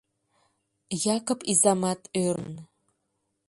Якып изамат ӧрын.